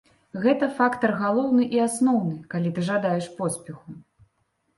Гэта фактар галоўны і асноўны, калі ты жадаеш поспеху.